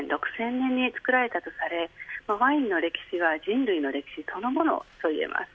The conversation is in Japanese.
６０００年に造られたとされワインの歴史は人類の歴史そのものといえます。